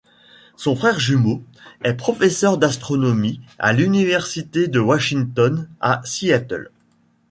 Son frère jumeau, est professeur d'astronomie à l'Université de Washington à Seattle.